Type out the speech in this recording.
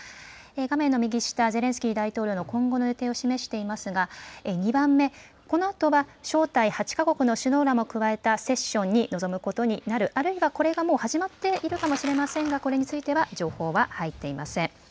画面の右下、ゼレンスキー大統領の今後の予定を示していますが、２番目、このあとは招待８か国の首脳らも加えたセッションに臨むことになる、あるいはこれがもう始まっているかもしれませんが、これについては情報は入っていません。